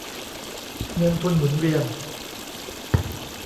เงินทุนหมุนเวียน